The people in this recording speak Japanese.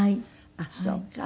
あっそうか。